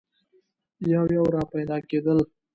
یو یو را پیدا کېدل.